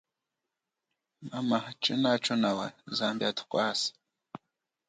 Mama, chenacho nawa, zambi athukwase.